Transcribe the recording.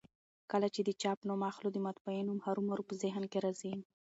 کله چي د چاپ نوم اخلو؛ د مطبعې نوم هرومرو په ذهن کي راځي.